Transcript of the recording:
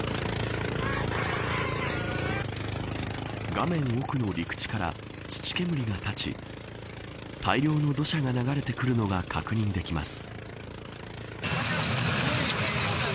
画面奥の陸地から土煙が立ち大量の土砂が流れてくるのが確認できます。